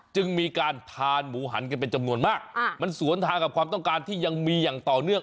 จึงมีการทานหมูหันกันเป็นจำนวนมากมันสวนทางกับความต้องการที่ยังมีอย่างต่อเนื่อง